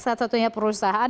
salah satunya perusahaan